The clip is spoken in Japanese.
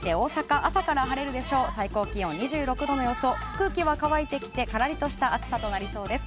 空気は乾いてきてからりとした暑さとなりそうです。